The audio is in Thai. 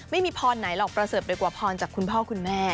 ไม่มีพรไหนหรอกประเสริฐไปกว่าพรจากคุณพ่อคุณแม่